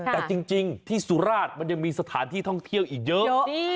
แต่จริงที่สุราชมันยังมีสถานที่ท่องเที่ยวอีกเยอะ